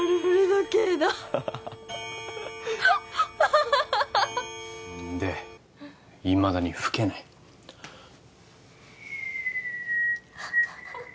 ハハハハハッでいまだに吹けないハハハ